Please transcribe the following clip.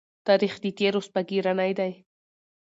تاریخ د تېرو سپږېرنی دی.